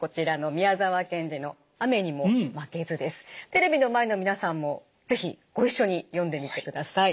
テレビの前の皆さんも是非ご一緒に読んでみてください。